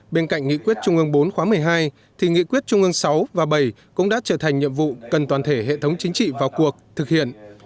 bên cạnh nghị quyết trung ương bốn khóa một mươi hai thì nghị quyết trung ương sáu và bảy cũng đã trở thành nhiệm vụ cần toàn thể hệ thống chính trị vào cuộc thực hiện